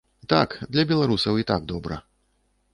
Так, для беларусаў і так добра.